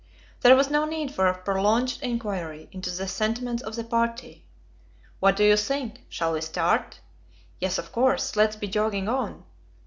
There was no need for a prolonged inquiry into the sentiments of the party. What do you think? Shall we start?" Yes, of course. Let's be jogging on."